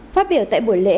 phát biểu tại buổi lễ